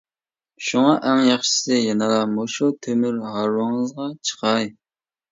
شۇڭا ئەڭ ياخشىسى يەنىلا مۇشۇ تۆمۈر ھارۋىڭىزغا چىقاي.